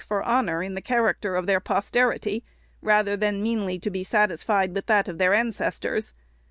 489 for honor in the character of their posterity, rather than meanly to be satisfied with that of their ancestors